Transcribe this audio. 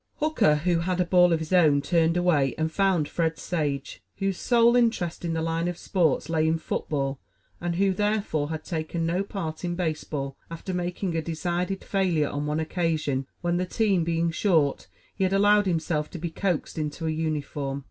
Hooker, who had a ball of his own, turned away, and found Fred Sage, whose sole interest in the line of sports lay in football, and who, therefore, had taken no part in baseball after making a decided failure on one occasion when, the team being short, he had allowed himself to be coaxed into a uniform.